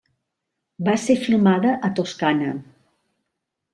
Va ser filmada a Toscana.